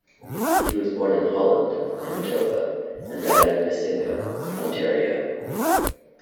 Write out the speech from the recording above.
He was born in Holland, Manitoba and died in Mississauga, Ontario.